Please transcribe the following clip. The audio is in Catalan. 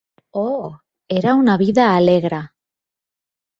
Oh, era una vida alegre!